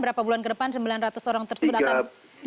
berapa bulan ke depan sembilan ratus orang tersebut akan